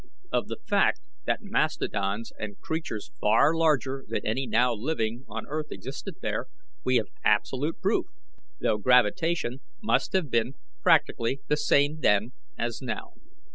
Of the fact that mastodons and creatures far larger than any now living on earth existed there, we have absolute proof, though gravitation must have been practically the same then as now."